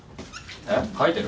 えっかいてる？